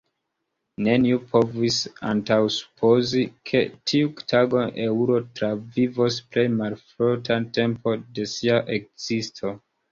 Neniu povis antaŭsupozi, ke tiun tagon eŭro travivos plej malfortan tempon de sia ekzisto.